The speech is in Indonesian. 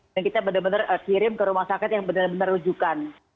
kita benar benar kirim ke rumah sakit yang benar benar rujukan